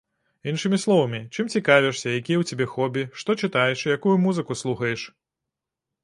Іншымі словамі чым цікавішся, якія ў цябе хобі, што чытаеш і якую музыку слухаеш?